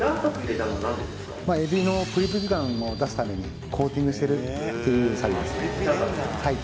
エビのプリプリ感を出すためにコーティングしてるっていう作業ですね